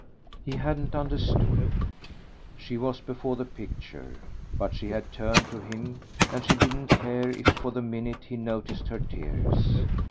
He hadn't understood. She was before the picture, but she had turned to him, and she didn't care if for the minute he noticed her tears.